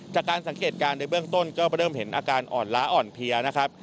จากการสังเกตการณ์ในเบื้องต้นก็เริ่มเห็นอาการอ่อนล้าอ่อนเพลียนะครับ